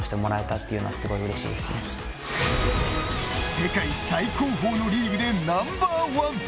世界最高峰のリーグでナンバー１。